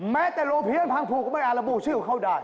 แม้แต่โรงเพลียสาโคทำไมอาละบู่ชื่อเขาได้